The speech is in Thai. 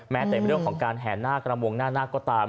แม้แต่เรื่องของการแห่หน้ากระมงหน้าหน้าก็ตาม